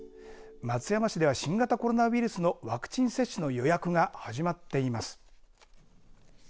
松山市では新型コロナウイルスのワクチン接種の予約が始まっています。